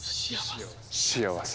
幸せ。